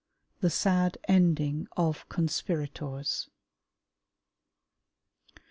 The sad ending of Conspirators.